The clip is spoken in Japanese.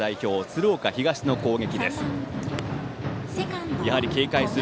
鶴岡東の攻撃です。